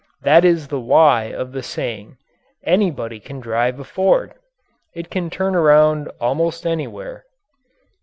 That is the "why" of the saying: "Anybody can drive a Ford." It can turn around almost anywhere.